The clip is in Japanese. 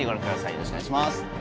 よろしくお願いします。